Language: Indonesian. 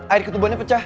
air ketubannya pecah